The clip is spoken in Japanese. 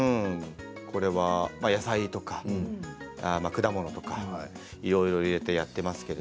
野菜とか果物とかいろいろ入れてやっていますね。